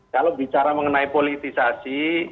kalau bicara mengenai politisasi